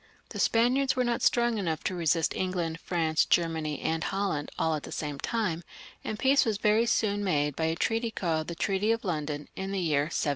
The Spaniards were not strong enough to resist England, France, Germany, and Holland, all at the same time, and peace was very soon made by a treaty called the Treaty of London, in the year 1720.